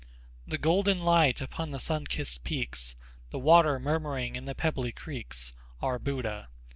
"The golden light upon the sunkist peaks, The water murmuring in the pebbly creeks, Are Buddha.